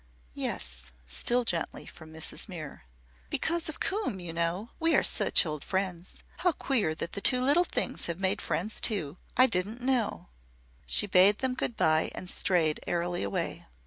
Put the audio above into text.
"Yes," still gently from Mrs. Muir. "Because of Coombe, you know. We are such old friends. How queer that the two little things have made friends too. I didn't know." She bade them good bye and strayed airily away.